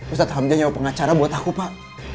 ustaz hamzah nyawa pengacara buat aku pak